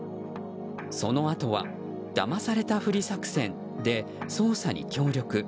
そのあとはだまされたふり作戦で捜査に協力。